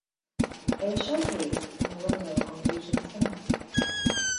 It was showcased in "A Window on Asian Cinema".